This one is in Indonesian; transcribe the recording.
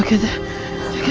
rw cambak lagi